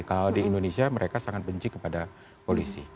kalau di indonesia mereka sangat benci kepada polisi